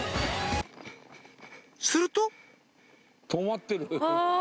すると止まってる。